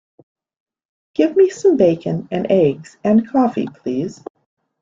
Give me some bacon and eggs and coffee, please.